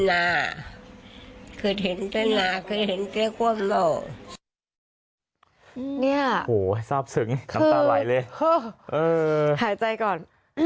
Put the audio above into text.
หายใจก่อน